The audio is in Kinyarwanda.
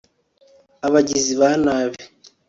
abagizi ba nabi